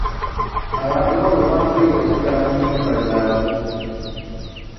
Abantu baweebwa amagezi okusigala mu nnyumba zaabwe.